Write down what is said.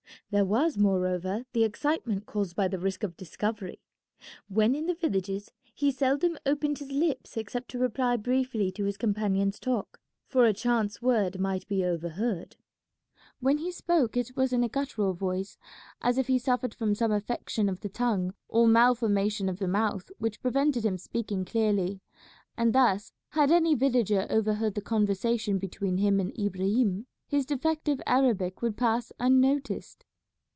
There was, moreover, the excitement caused by the risk of discovery. When in the villages he seldom opened his lips except to reply briefly to his companion's talk, for a chance word might be overheard. When he spoke it was in a guttural voice, as if he suffered from some affection of the tongue or malformation of the mouth which prevented him speaking clearly; and thus, had any villager overheard the conversation between him and Ibrahim, his defective Arabic would pass unnoticed.